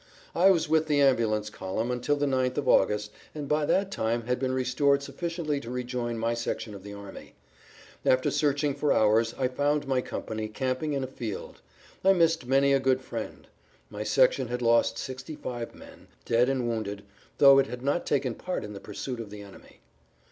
I was with the ambulance column until the 9th of August and by that time had been restored sufficiently to rejoin my section of the army. After searching for hours I found my company camping in a field. I missed many a good friend; my section had lost sixty five men, dead and wounded, though it had not taken part in the pursuit of the enemy.